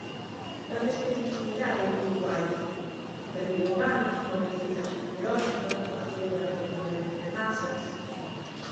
Tanta especificidade uruguaia: guerrilla urbana, non etiquetaxe ideolóxica, vocación de amplo movemento de masas...